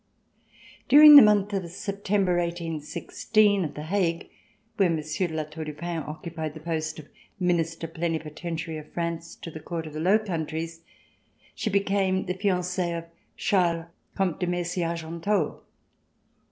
During the month of September, 18 16, at The Hague, where Monsieur de La Tour du Pin occupied the post of Minister Plenipo tentiary of France to the Court of the Low Countries, she became the fiancee of Charles, Comte de Mercy Argenteau.